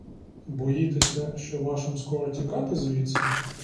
Боїтеся, що вашим скоро тікати звідси?